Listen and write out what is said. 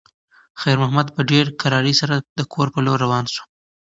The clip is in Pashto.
خیر محمد په ډېرې کرارۍ سره د کور په لور روان شو.